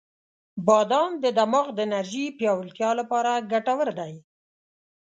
• بادام د دماغ د انرژی پیاوړتیا لپاره ګټور دی.